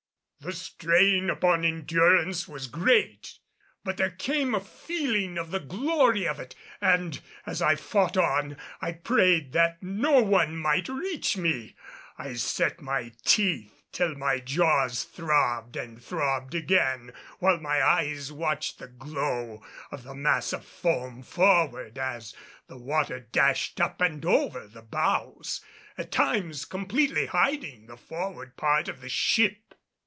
The strain upon endurance was great; but there came a feeling of the glory of it, and as I fought on I prayed that no one might reach me. I set my teeth till my jaws throbbed and throbbed again, while my eyes watched the glow of the mass of foam forward as the water dashed up and over the bows, at times completely hiding the forward part of the ship.